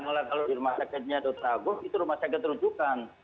kalau di rumah sakitnya dr agung itu rumah sakit rujukan